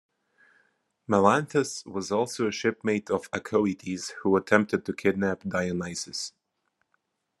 Melanthus was also a shipmate of Acoetes who attempted to kidnap Dionysus.